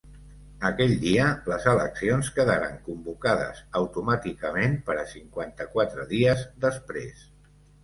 Aquell dia, les eleccions quedaran convocades automàticament per a cinquanta-quatre dies després.